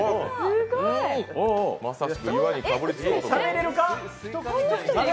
しゃべれるか？